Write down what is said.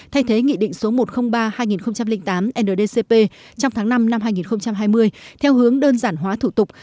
thay thế nghị định số một trăm linh ba hai nghìn tám ndcp trong tháng năm năm hai nghìn hai mươi theo hướng đơn giản hóa thủ tục